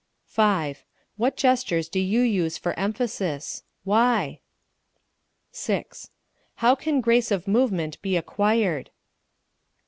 5. What gestures do you use for emphasis? Why? 6. How can grace of movement be acquired?